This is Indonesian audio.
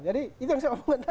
jadi itu yang saya omongkan tadi